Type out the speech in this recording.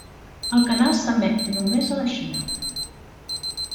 El canal s'emet només a la Xina.